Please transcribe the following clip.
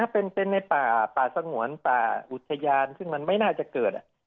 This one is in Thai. เป็นในป่าป่าสงวนป่าอุทยานซึ่งมันไม่น่าจะเกิด